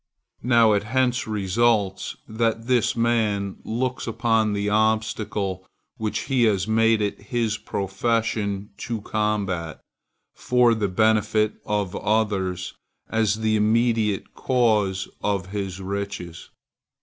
Now, it hence results, that this man looks upon the obstacle which he has made it his profession to combat for the benefit of others, as the immediate cause of his riches.